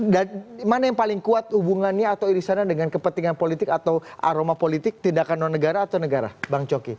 dan mana yang paling kuat hubungannya atau irisananya dengan kepentingan politik atau aroma politik tindakan non negara atau negara bang coki